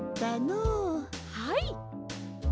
はい！